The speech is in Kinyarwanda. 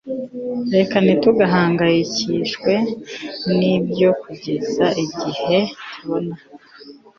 Reka ntitugahangayikishwe nibyo kugeza igihe tugomba